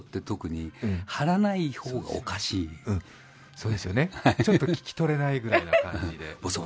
そうですよね、ちょっと聞き取れないぐらいの感じで。